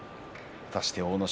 果たして阿武咲